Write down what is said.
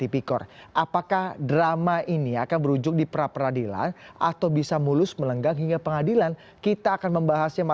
mora smanihuru cnn indonesia